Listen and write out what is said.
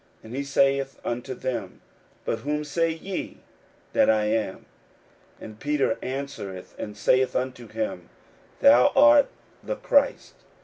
41:008:029 And he saith unto them, But whom say ye that I am? And Peter answereth and saith unto him, Thou art the Christ.